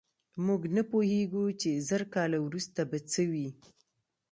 موږ نه پوهېږو چې زر کاله وروسته به څه وي.